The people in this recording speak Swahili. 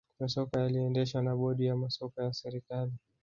masoko yaliendeshwa na bodi ya masoko ya serikali